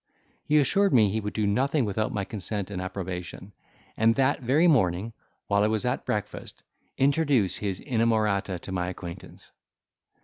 He assured me he would do nothing without my consent and approbation, and that very morning, while I was at breakfast, introduce his inamorata to my acquaintance.